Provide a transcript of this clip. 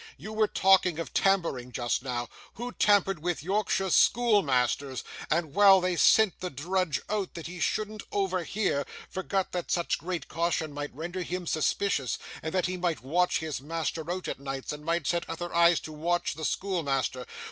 You were talking of tampering, just now. Who tampered with Yorkshire schoolmasters, and, while they sent the drudge out, that he shouldn't overhear, forgot that such great caution might render him suspicious, and that he might watch his master out at nights, and might set other eyes to watch the schoolmaster?